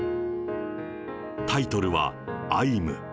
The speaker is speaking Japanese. タイトルはアイム。